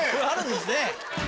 あるんですね。